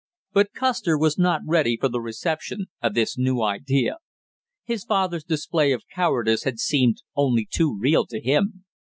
But Custer was not ready for the reception of this new idea; his father's display of cowardice had seemed only too real to him.